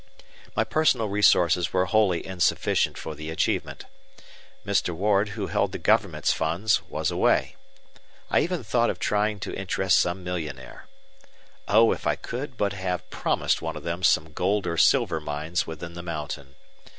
My personal resources were wholly insufficient for the achievement. Mr. Ward, who held the government's funds, was away. I even thought of trying to interest some millionaire. Oh, if I could but have promised one of them some gold or silver mines within the mountain!